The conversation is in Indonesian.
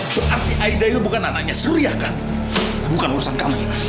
itu artinya aida itu bukan anaknya surya kan bukan urusan kamu